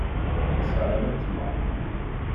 Tesɛa ala tmeṛ.